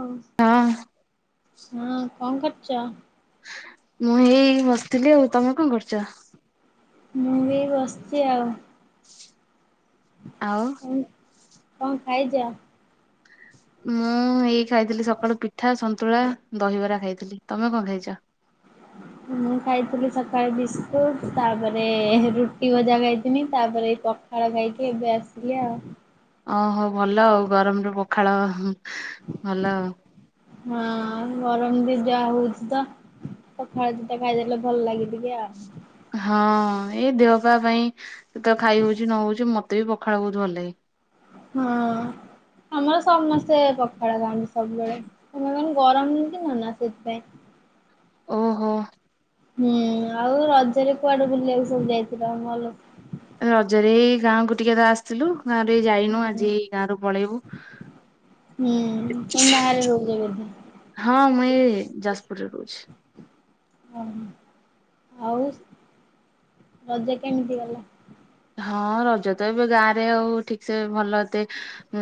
ଓ ହଁ ହଁ କଣ କରୁଛ? ମୁଁ ଏଇ ବସିଥିଲି ଆଉ ତମେ କଣ କରୁଛ? ମୁଁ ଏଇ ବସିଛି ଆଉ। ଆଉ? ଉଁ କଣ ଖାଇଚ? ମୁଁ ଏଇ ଖାଇଥିଲି ସକାଳୁ ପିଠା ସନ୍ତୁଳା ଦହିବରା ଖାଇଥିଲି ତମେ କଣ ଖାଇଛ? ମୁଁ ଖାଇଥିଲି ସକାଳେ ବିସ୍କୁଟ ତାପରେ ରୁଟି ଭଜା ଖାଇଥିନି ତାପରେ ଏ ପ ଖାଳ ଖାଇକି ଏବେ ଆସିଲି ଆଉ। ଓହୋ ଭଲ ଆଉ ଗରମରେ ପଖାଳ ଭଲ ଆଉ। ହଁ ଗରମ ବି ଯାହା ହଉଛି ତ ସଖଳ ଦିଇଟା ଖାଇଦେଲେ ଭଲ ଲାଗେ ଟିକେ ଆଉ। ହଁ ଏଇ ଦେହ ପା ପାଇଁ ସେତ ଖାଇ ହଉଛି ନ ହଉଛି ମତେ ବି ପଖାଳ ବହୁତ ଭଲ ଲାଗେ। ହଁ ଆମର ସମ ସେ ପଖାଳ ଖାନ୍ତି ସବୁବେଳେ ତମେ କଣ ଗରମ କି ନ ନା ସେଥିପାଇଁ। ଓହୋ। ହୁଁ ଆଉ ରଜରେ କୁଆଡେ ବୁଲିବାକୁ ସବୁ ଯାଇଥିଲ ଭଲ? ରଜରେଇ ଗାଁ କ ଟିକେ ତ ଆସିଥିଲୁ ଗାଁରୁ ଏଇ ଯାଇନୁ ହୁଁ ଆଜି ଏଇ ଗାଁ ରୁ ପଳେଇବୁ। ହୁଁ ତମେ ବାହାରେ ରହୁଛ [unintelligible] ବୋଧେ? ହଁ ମୁଇ ଯାଜପୁରରେ ରହୁଛି। ଓହୋ ଆଉ ରଜ କେମିତି ଗଲା? ହଁ ରଜ ତ ଏବେ ଗାଁ ରେ ଆଉ ଠିକ ସେ ଭଲସେ।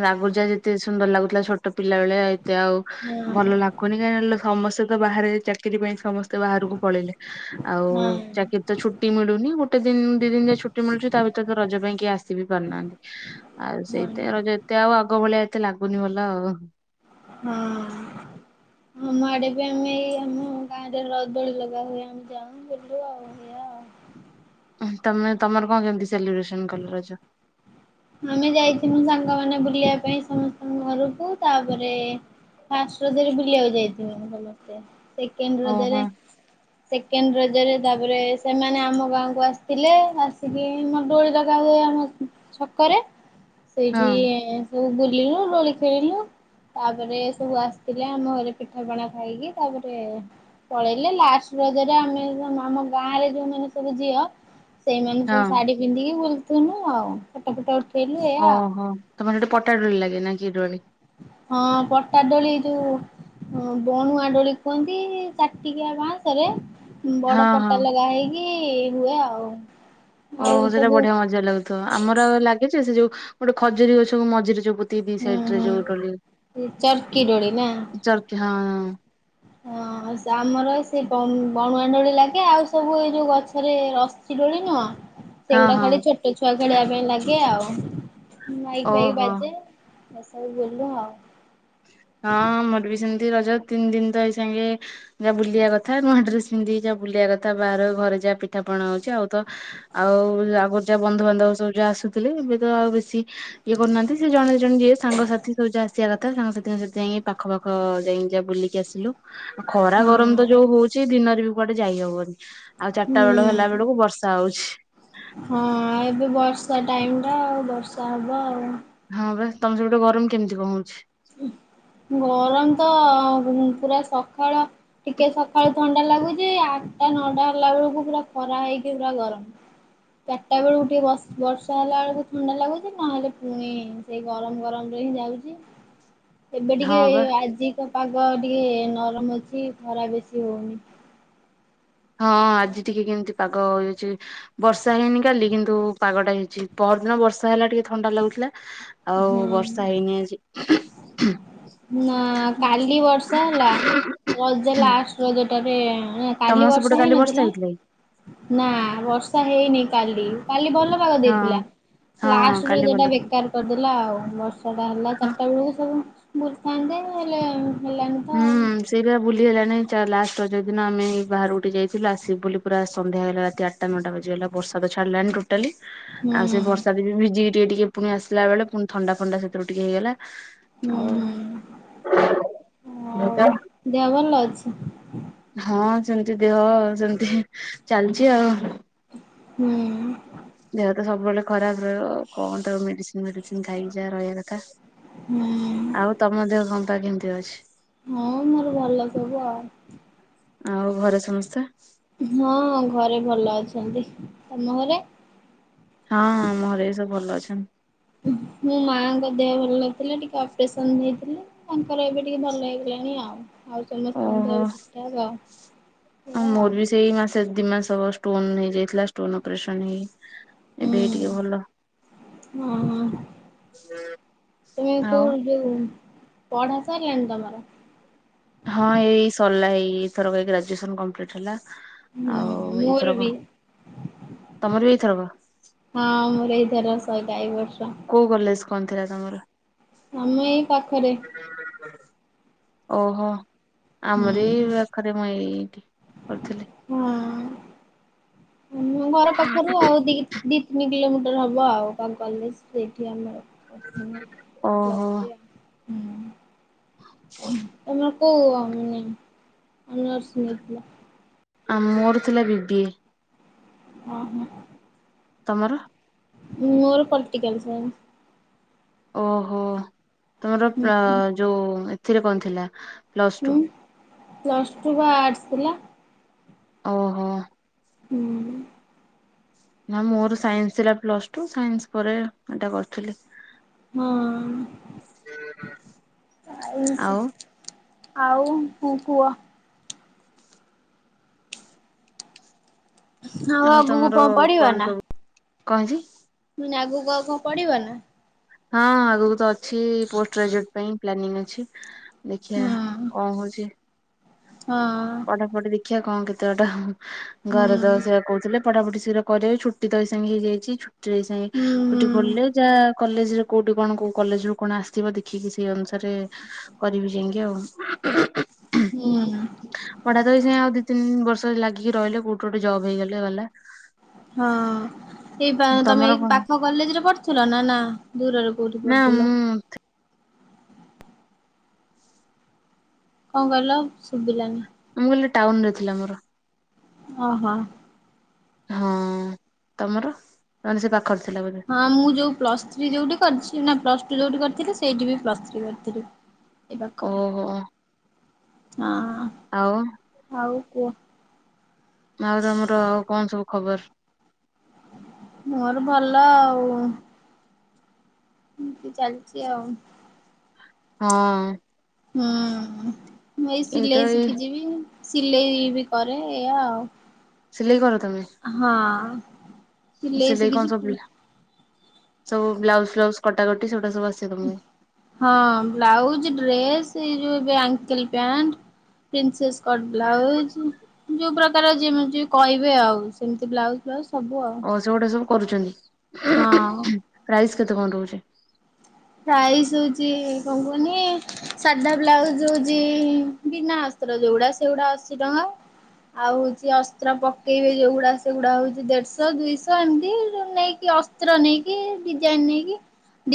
ନା ବୁଯା ଯେତେ ସୁନ୍ଦର ଲାଗୁଥିଲା ଛୋଟ ପିଲା ବେଳେ ଏତେ ଆଉ। ହଁ ଭଲ ଲାଗୁନି କାହିଁଲେ ସମସ୍ତେ ତ ବାହାରେ ଚାକିରି ପାଇଁ ସମସ୍ତେ ବାହାରକୁ ପଳେଇିଲେ ଆଉ ହଁ ଚାକିରି ତ ଛୁଟି ମିଳୁନି ଗୋଟେ ଦିନ ଦି ଦିନ ଯାଏ ଛୁଟି ମିଳୁଛି। ତା ଭିତରେ ତ ରଜ ପାଇଁ କିଏ ଆସିିବ ବି ପାରୁନାହାନ୍ତି ଆଉ ହଁ। ସେଇଥିପାଇଁ ରଜ ଏତେ ଆଉ ଆଗ ଭଳିଆ ଏତେ ଲାଗୁନି ଭଲ ଆଉ ହଁ। ଆମ ଆଡେ ବି ଆମେ ଏଇ ଆମ ଗାଁ ରେ ରଜଦଳି ଲଗା ହୁଏ ଆମେ ଯାଉ ବୁଲୁ ଆଉ ଏଇଆ ଆଉ। ତମେ ତମର କଣ କେମିତି ସେଲିବ୍ରେସନ କଲ ରଜ? ଆମେ ଯାଇଥିଲୁ ସାଙ୍ଗମାନେ ବୁଲିବା ପାଇଁ ସମସ୍ତଙ୍କ ଘରକୁ ତାପରେ ଫାଷ୍ଟ ରଜରେ ବୁଲିବାକୁ ଯାଇଥିବେ ସମସ୍ତେ ସେକେଣ୍ଡ ଓହୋ ରଜରେ। ସେକେଣ୍ଡ ରଜରେ ତାପରେ ସେମାନେ ଆମ ଗାଁକୁ ଆସିଥିଲେ ଆସିକି ମୋର ଦୋଳି ଲ [unintelligible] କରେ ସେଇଠି ହଁ ସବୁ ବୁଲିଲୁ ଦୋଳି ଖେଳିଲୁ। ତାପରେ ସବୁ ଆସିଥିଲେ ଆମ ଘରେ ପିଠାପଣା ଖାଇକି ତାପରେ ପଳେଇଲେ ଲାଷ୍ଟ ରଜରେ ଆମେ ଆମ ଗାଁରେ ଯୋଉମାନେ ସବୁ ଝିଅ ସେଇମାନେ ସବୁ ହଁ ଶାଢୀ ପିନ୍ଧିକି ବୁଲୁଥୁନୁ ଆଉ ଫଟ ଫଟ ଉଠ ଓହୋ ତମର ହେଇଠି ପଟା ଦୋଳି ଲାଗେ ନା କି ଡୋଳି? ହଁ ପଟା ଦୋଳି ଯୋଉ ହଁ ବଣୁଆ ଦୋଳି କୁହନ୍ତି ଚାରିଟିକିଆ ବାଁଶ ରେ ହଁ ବଡ ହଁ ପଟା ଲଗା ହେଇକି ହୁଏ ଆଉ। ଆଉ ଓହୋ ସେଟା ସବୁ ବଢିଆ ମଜା ଲାଗୁଥିବ ଆମର ଲାଗେ ଯେ ସେ ଯୋଉ ଗୋଟେ ଖଜୁରୀ ଗଛକୁ ମଝିରେ ଯୋଉ ଦି ହୁଁ ସାଇଡରେ ଯୋଉ [unintelligible] ହୁଁ ଚର୍କି ଦୋଳି ନା? ହଁ ହଁ। ଆମର ସେ ବଣୁଆ ଦୋଳି ଲାଗେ ଆଉ ସବୁ ଏ ଯେଉଁ ଗଛରେ ରସି ଦୋଳି ନୁହଁ ସେଗୁଡା ହଁ ଖାଲି ଛୋଟ ଛୁଆ ଖେଳିବା ପାଇଁ ଲାଗେ ଆଉ ମାଇକ ଫାଇକ ଓହୋ ବାଜେ [unintelligible] ହଁ ଆମର ବି ସେମିତି ରଜ ତିନି ଦିନ ତ ଏଇ ସାଙ୍ଗେ ଯାହା ବୁଲିବା କଥା ନୂଆ ଡ୍ରେସ୍ ପିନ୍ଧିକି ଯା ବୁଲିବା କଥା ବାହର ଘରେ ଯାହା ପିଠା ପଣା ହଉଛି ଆଉ ତ ଆଉ ଆଗରୁ ଯାହା ବନ୍ଧୁବାନ୍ଧବ ସବୁ ଯାହା ଆସୁଥିଲେ ଏବେ ତ ଆଉ ବେଶୀ ଇଏ କରୁନାହାନ୍ତି ସେ ଜଣେ ଜଣେ ଯିଏ ସାଙ୍ଗସାଥି ସବୁଯାହା ଆସିବା କଥା ସାଙ୍ଗ ସାଥିଙ୍କ ସହିତ ଯାଇ ପାଖ ପାଖ ଯାଇ ଯା ବୁଲିକି ଆସିଲୁ ଖରା ଗରମ ତ ହଁ। ଯୋଉ ହଉ ଚି ଦିନରେ ବି କୁଆଡେ ଯାଇ ହବନି ଆଉ ଚାରିଟା ବେଳ ହୁଁ ହେଲା ବେଳକୁ ବର୍ଷା ହଉଛି। ହଁ ଏବେ ବର୍ଷା ଟାଇମ ଟା ଆଉ ବର୍ଷା ହବ ଆଉ। ହଁ ବା ତମ ସେପଟେ ଗରମ କେମିତି କଣ ହଉଛି? ଗରମ ତ ପୁରା ସକାଳ ଟିକେ ସକାଳୁ ଥଣ୍ଡା ଥଣ୍ଡା ଲାଗୁଛି ଆଠଟା ନଅଟା ହେଲା ବେଳକୁ ପୁରା ଖରା ହେଇକି ପୁରା ଗରମ। ଚାରିଟା ବେଳକୁ ଟିକେ ବ ବର୍ଷା ହେଲା ବେଳକୁ ଥଣ୍ଡା ଲାଗୁଛି ନହେଲେ ପୁଣି ସେଇ ଗରମ ଗରମରେ ହିଁ ଯାଉଛି। ଏବେ ଟିକେ ହଁ ବା ଆଜି ତ ପାଗ ଟିକେ ନରମ ଅଛି ଖରା ବେଶୀ ହଉନି ହଁ ଆଜି ଟିକେ କେମିତି ପାଗ ହେଇଛି ବର୍ଷା ହେଇନି କାଲି କିନ୍ତୁ ପାଗଟା ହେଇଛି ପଅର ଦିନ ବର୍ଷା ହେଲା ଟିକେ ଥଣ୍ଡା ଲାଗୁଥିଲା ଆଉ ହୁଁ ବର୍ଷା ହେଇନି ଆଜି। ନା କାଲି ବର୍ଷା ହେଲା ରଜ ଲାଷ୍ଟ ରଜ ଟାରେ କାଲି ତମ ସେପଟେ ବର୍ଷା କାଲି ହେଇନଥିଲା ହେଇଥିଲା କି? ନା ବର୍ଷା ହେଇନି କାଲି କାଲି ଭଲ ପାଗ ହଁ ଦେଇଥିଲା ହଁ ଲାଷ୍ଟ କାଲି ରଜଟା ଭଲ ଥିଲା। ବେକାର କରିଦେଲା ଆଉ ବର୍ଷାଟା ହେଲା ଚାରିଟା ବେଳକୁ ସବୁ ବୁଲିଥାନ୍ତେ ହେଲେ ହେଲାନି ତ ହୁଁ। ଆଉ ସେଇଥିପାଇଁ ବୁଲି ହେଲାନି ଲାଷ୍ଟ ରଜଦିନ ଆମେ ବାହାରକୁ ଟିକେ ଯାଇଥିଲୁ ଆସିବୁ ବୋଲି ପୁରା ସନ୍ଧ୍ୟା ହେଇଗଲା ରାତି ଆ ଟା ନଅଟା ବାଜିଗଲା ବର୍ଷା ତ ଛାଡ଼ିଲାନି ଟୋଟାଲି ହୁଁ ଆଉ ସେ ବର୍ଷା ରେ ବି ଭିଜିକି ଟିକେ ଟିକେ ପୁଣି ଆସିଲା ବେଳେ ପୁଣି ଥଣ୍ଡା ଫଣ୍ଡା ସେଥିରୁ ଟିକେ ହେଇଗଲା। ହୁଁ ଆଉ ହୁଁ। ଆଉ ଦେହ ଭଲ ଅଛି? [unintelligible] ହଁ ସେମିତି ଦେହ ସେମିତି ଚାଲିଛି ଆଉ। ହୁଁ। ଦେହ ତ ସବୁବେଳେ ଖରାପ ରହିବ କଣ ତ ମେଡିସିନ ଫେଡିସିନ ଖାଇକି ଯା ରହିବା କଥା। ହୁଁ। ଆଉ ତମ ଦେହ ପା କେମିତି ଅଛି? ହଁ ମୋର ଭଲ ସବୁ ଆଉ। ଆଉ ଘରେ ସମସ୍ତେ ହଁ ଘରେ ଭଲ ଅଛନ୍ତି ତମ ଘରେ? ହଁ ଆମ ଘରେ ବି ସବୁ ଭଲ ଅଛନ୍ତି। ମୋ ମାଙ୍କ ଦେହ ଭଲ ନଥିଲା ଟିକେ ଅପରେସନ ହେଇଥିଲେ ତାଙ୍କର ଏବେ ଟିକେ ଭଲ ହେଇଗଲାଣି ଆଉ। ଆଉ ସମସ୍ତଙ୍କ ଓହୋ ଦେହ ଠିକ୍ ଠାକ୍ ଏଇଆ ଆଉ। ଦିଇ ମାସହବ ଷ୍ଟୋନ ହେଇଯାଇଥିଲା ଷ୍ଟୋନ ଅପରେସନ୍ ହେଇ। ଏବେ ହୁଁ ଟିକେ ଭଲ ହୁଁ। ତମେ କୋଉ ଯୋଉ ପଢା ସାଇଲାଣି ତମର। ହଁ ଏଇ ସରିଲା ଏଇଥର ଗ୍ରାଜୁଏସନ୍ ଲସିପମ୍ପ୍ଲିଟ୍ ହେଲା। ହୁଁ ଆଉ ମୋର ଏଇଥରକ ବି। ତମର ବି ଏଇଥରକ। ହଁ ମୋର ଏଇଥର ସଇଲା ଏଇ ବର୍ଷ। କୋଉ କଲେଜ କଣ ଥିଲା ତମର। ଆମେ ଏଇ ପାଖରେ। ଓହୋ ଆମର ଏଇ। ହୁଁ ପାଖରେ ମୁଁ ଏଇଠି କରିଥିଲି। ହଁ ମୁ ଘର ପାଖରୁ ଆଉ ଦି। ଦି ତିନି କିଲୋମିଟର ହବ ଆଉ କ କଲେଜ ସେଇଠି ଆମର। ସ୍ ହଁ ଓହୋ [unintelligible] ତମର କୋଉ ମେ ଅନର୍ସ ନେଇଥିଲ। ଆ ମୋର ଥିଲା ବିିବିଏ। ଓଁ ହୋଁ। ତମର। ମୋର ପଲିଟିକଲ ସାଇନ୍ସ୍। ଓହୋ ତମର ହୁଁ ହୁଁ। ଯୋଉ ଏଥିରେ କଣ ଥିଲା ପ୍ଲସ ଟୁ ହୁଁ ପ୍ଲସ୍ ଟୁ ବା ଆର୍ଟସ୍ ଥିଲା। ଓହୋ। ହୁଁଉଁ। ନା ମୋର ସାଇନ୍ସ ଥିଲା ପ୍ଲସ ଟୁ ସାଇନ୍ସ ପରେ ଏଇଟା କରୁଥିଲି। ହଁ। ଆଉ ଆଉ ପୁ କୁହ। ଆଉ ଆଗକୁ ତମର କଣ କଣ ସବୁ କହେଇଚି। ମୁଁ କହିନୀ ଆଗକୁଆଉ କଣ ପଡିବ ନା। ହଁ ଆଗକୁ ତ ଅଛି ପୋଷ୍ଟ ଗ୍ରାଜୁଏଟ ପାଇଁ ପ୍ଲାନିଂ ଅଛି। ଦେଖିଆ କଣ ହଉଛି। ହଁଅଁ। ପଟା ପଟି ଦେଖିବା କଣ କେତେ ବାଟ ହୁଁ। ଘରେ ତ ସେଇଆ କହୁଥିଲେ। ପଢାପଢି ଶୀଘ୍ର କରିବେ ଛୁଟି ତ ଏଇ ସାଙ୍ଗେ ହେଇଯାଇଛି ଛୁଟିରେ ଏଇ ସାଙ୍ଗେ ହୁଁ ଛୁଟି ହୁଁ। ଖୋଲିଲେ ଯହା। କଲେଜରେ କୋଉଠି କଣ କୋଉ କଲେଜ ରୁ କଣ ଆସିଥିବ ଦେଖିକି ସେଇ ଅନୁସାରେ। କରିବି ଯାଇକି ଆଉ। ହୁଁ। ପଢା ତ ବି ସେ ଆଉ ଦିଇ ତିନି ବର୍ଷ ଲାଗିକି ରହିଲେ କୋଉଠି ଗୋଟେ ଜବ୍ ହେଇଗଲେ ଗଲା। ହଁ ଏଇ ତମେ ତମର ଏଇ କଣ? ପାଖ କଲେଜରେ ପଢୁଥିଲ ନା ନା ଦୂରରେ। କୋଉଠି ନା ପଢୁଥିଲ? ମୁଁ। କଣ କହିଲ ଶୁଭିଲାନି। ନା ମୁଁ କହିଲି ଟାଉନ ରେ ଥିଲା ମୋର। ଓହୋ। ହଁ ତମର ତମର ସେ ପାଖରେ ଥିଲା ବୋଧେ। ହଁ ମୁଁ ଯୋଉ ପ୍ଲସ ଥ୍ରୀ ଯୋଉଠି କରିଛି ନା ପ୍ଲସ୍ ଟୁ ଯୋଉଠି କରିଥିଲି ସେଇଠି ବି ପ୍ଲସ୍ ଥ୍ରୀ କରିଥିଲି। ଏଇ ପାଖ ହଁ। ଓହୋ ଆଉ। ଆଉ କୁହ? ଆଉ ତମର ଆଉ କଣ ସବୁ ଖବର? ମୋର ଭଲ ଆଉ। ଇମିତ ଚାଲିଛି ଆଉ। ହଁ। ହୁଁ ମୁଁ ଏଇ ଏଇତ ସିଲେଇ ଏଇ ଶିଖିଯିବି ସିଲେଇ ବି କରେ ଏଇଆ ଆଉ। ସିଲେଇ କର ତମେ? ହଁ। ସିଲେଇ କଁ ସବୁ [unintelligible] ସବୁ ବ୍ଲାଉଜ ଫ୍ଲାଉଜ କଟାକଟିସେଗୁଡା ସବୁ ଆସେ ତମକୁ? ହଁ ବ୍ଲାଉଜ ଡ୍ରେସ ଏ ଯୋଉ ଏବେ ankle pant. Princess cut blouse. ଯୋଉ ପ୍ରକାର ଯେମିତି ଯିଏ କହିବେ ଆଉ ସେମିତି ବ୍ଲାଉଜ ଫ୍ଲାଉଜୁ। ଓ ସେଗୁଡା ସବୁ ହଁ। କରୁଛନ୍ତି ପ୍ରାଇସ୍ କେତେ କଣ ରହୁଚି। ପ୍ରାଇସ୍ ହଉଚି କଣ କୁହନି ସାଧା ବ୍ଲାଉଜ ହୋଉଚି ବିନା ଅସ୍ତ୍ର ଯୋଉଗୁଡା ସେଗୁଡା ଅଶୀ ଟଙ୍କା। ଆଉ ହଉଚି ଅସ୍ତ୍ର ପକେଇବେ ଯୋଉଗୁଡା ସେଗୁଡା ହୋ ଉଚି ଦେଢଶ ଦୁଇଶ ଏମିତି ନେଇକି ଅସ ଅସ୍ତ୍ର ନେଇକି ଡିଜାଇନ ନେଇକି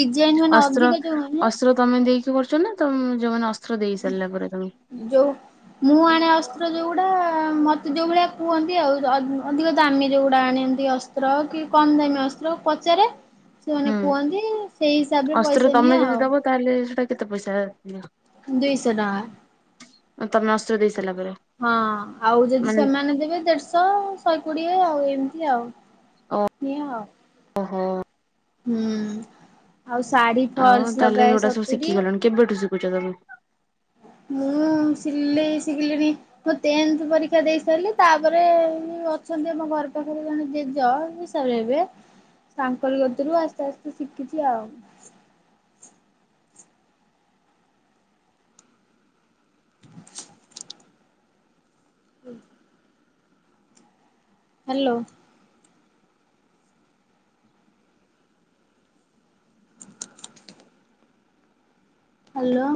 ଡିଜାଇନ ମାନେ ଅସ୍ତ୍ର ଅଧିକ ଯୋଉ ହୁଏ ନା। ଅସ୍ତ୍ର ତମେ ଦେଇକି କରୁଛ ନା ତମ ଯୋଉମାନେ ଅସ୍ତ୍ର ଦେଇ ସାରିଲା ପରେ ତମେ ଯୋଉ ମୁଁ ଆଣେ ଅସ୍ତ୍ର ଯୋଉଗୁଡା ମତେ ଯୋଉ ଭଳିଆ କୁହନ୍ତି ଆଉ ଅଧିକ ଦାମୀ ଯଉଗୁଡା ଆଣନ୍ତି ଅସ୍ତ ଅସ୍ତ୍ର କି କମ ଦାମୀ ଅସ୍ତ୍ର ପଚାରେ। ଯୋଉ ମାନେ ହୁଁ କୁହନ୍ତି ସେଇ ହିସାବରେ ଅସ୍ତ୍ର ପଇସା ତମେ ନିଏ ଯଦି ଆଉ। ଦବ ତାହେଲେ ସେଟା କେତେ ପଇସା ନିଅ? ଦୁଇଶ ଟଙ୍କା। ତମେ ଅସ୍ତ୍ର ଦେଇ ସାରିଲା ପରେ? ହଁ ଆଉ ଯେଦି ମାନେ ସେମାନେ ଦେବେ ଦେଢଶ ଶହେ କୋଡିଏ ଆଉ ଏମିତି ଆଉ। ଓ ସେଇଆ ଆଉ ଓହୋ ହୁଁ। ଆଉ ଶାଢୀ ଆଉ ଫଲସ୍‌ ତାହେଲେ ଲଗାଏ ସେଗୁଡା ସବୁ ସତୁୁରୀ। ଶିଖିଗଲଣି କେବେଠୁ ଶିଖୁଛ ତମେ? ମୁଁ ସିିଲେଇ ଶିଖିଲିଣି ମୁଁ ଟେନ୍ଥ ପରୀକ୍ଷା ଦେଇ ସାରିଲି ତାପରେ ଅଛନ୍ତି ଆମ ଘର ପାଖରେ ଜଣେ ଜେଜ ତାପରେ ଏବେ ତାଙ୍କରି କତିରୁ ଆସ୍ତେ ଆସ୍ତେ ଶିଖିଛି ଆଉ। [inaudible] [inaudible] ହ୍ୟାଲୋ। ହ୍ୟାଲୋ।